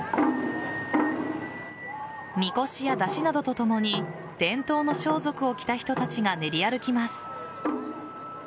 神輿や山車などとともに伝統の装束を着た人たちが練り歩きます。